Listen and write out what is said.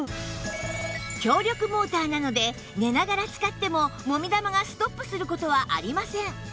強力モーターなので寝ながら使ってももみ玉がストップする事はありません